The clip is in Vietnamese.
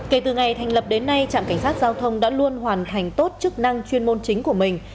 kể từ ngày thành lập đến nay trạm cảnh sát giao thông đã luôn hoàn thành tốt chức năng chuyên môn chính của mình